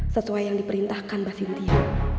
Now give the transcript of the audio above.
setuai yang diperintahkan mbak cynthia